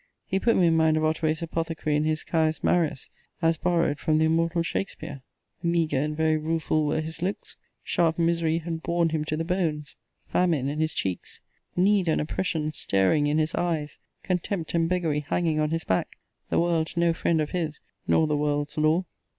He put me in mind of Otway's apothecary in his Caius Marius; as borrowed from the immortal Shakspeare: Meagre and very rueful were his looks: Sharp misery had worn him to the bones. Famine in his cheeks: Need and oppression staring in his eyes: Contempt and beggary hanging on his back: The world no friend of his, nor the world's law.